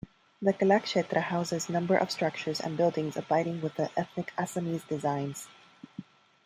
The Kalakshetra houses number of structures and buildings abiding with the ethnic Assamese designs.